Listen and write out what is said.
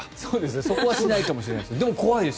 そこはしないかもしれないです。